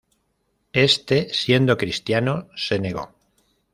Éste, siendo cristiano, se negó.